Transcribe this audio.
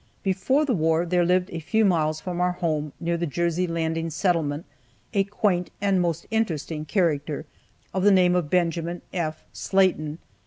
Before the war there lived a few miles from our home, near the Jersey Landing settlement, a quaint and most interesting character, of the name of Benjamin F. Slaten.